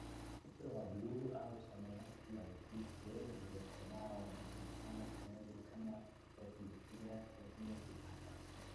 Kupe wa bluu au samawati wa kike waliokomaa wanaojulikana kisayansi kama Rhepicephalus Boophilus hupata